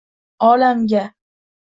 olamga.